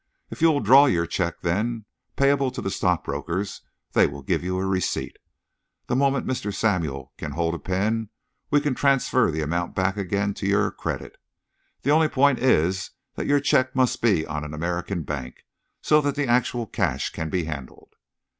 If you will draw your cheque then, payable to the stockbrokers, they will give you a receipt. The moment Mr. Samuel can hold a pen, we can transfer the amount back again to your credit. The only point is that your cheque must be on an American bank, so that the actual cash can be handled."